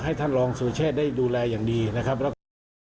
ให้ท่านลองโสเชษได้ดูแลอย่างดีนะครับ